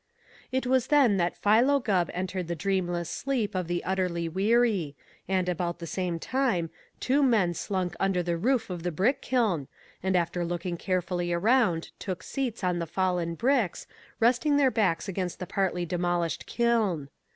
It was then that Philo Gubb entered the dreamless sleep of the utterly weary, and, about the same time, two men slunk under the roof of the brick kiln and after looking carefully around took seats on the fallen bricks, resting their backs against the partly demolished kiln.